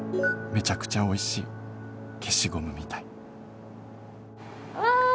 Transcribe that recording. めちゃくちゃおいしい消しゴムみたい！わ。